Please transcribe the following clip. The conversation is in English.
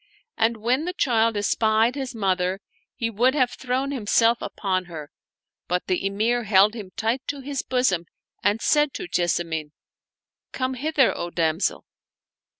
And when the child espied his mother, he would have thrown himself upon her ; but the Emir held him tight to his bosom and said to Jessamine, " Come hither, O damsel